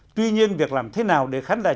tuy nhiên việc làm thế nào để khán giả